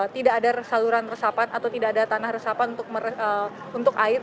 tidak ada saluran resapan atau tidak ada tanah resapan untuk air